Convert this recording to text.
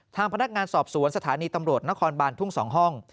ทางพนักงานสอบสวนสถานีตำรวจนครบานทุ่ง๒ห้อง